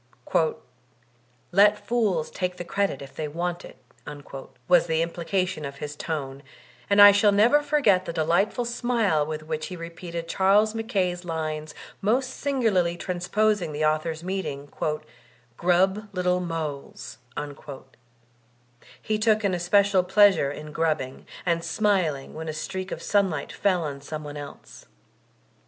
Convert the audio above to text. "Let fools take the credit if they want it/' was the implication of his tone, and I shall never torget the delightful smile with which he repeated Charles Mackay's lines, most singularly trans posing the author's meaning: "Grub little moles /' He took an especial pleasure in grubbing, and smiling when a streak of sunlight fell on some one else.